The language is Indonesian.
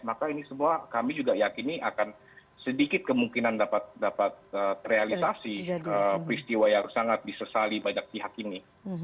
maka ini semua kami juga yakini akan sedikit kemungkinan dapat terrealisasi peristiwa yang sangat disesali banyak pihak ini